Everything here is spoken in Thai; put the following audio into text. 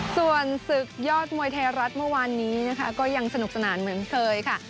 ส่วนศึกยอดมวยไทยรัฐเมื่อวานนี้นะคะก็ยังสนุกสนานเหมือนเคยค่ะ